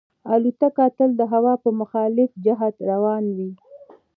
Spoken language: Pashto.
الوتکه تل د هوا په مخالف جهت روانه وي.